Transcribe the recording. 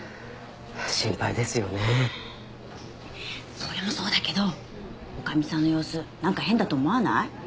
心配ですよねそれもそうだけど女将さんの様子なんか変だと思わない？